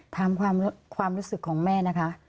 ถามความรู้สึกของแม่นะคะ